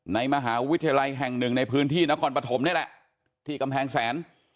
ในมหาวิทยาลัยแห่งหนึ่งในพื้นที่นครปฐมนี่แหละที่กำแพงแสน